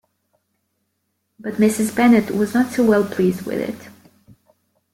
But Mrs. Bennet was not so well pleased with it.